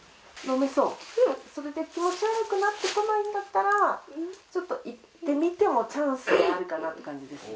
それで気持ち悪くなってこないんだったら、ちょっと行ってみてもチャンスはあるかなっていう感じですね。